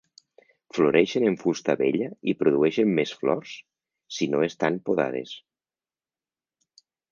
Floreixen en fusta vella i produeixen més flors si no estan podades.